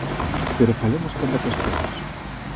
Pero falemos con datos claros.